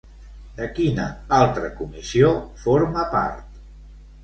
De quina altra comissió forma part?